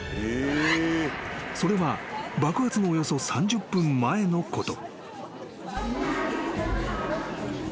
［それは爆発のおよそ３０分前のこと］